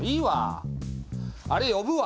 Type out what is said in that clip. あれ呼ぶわ。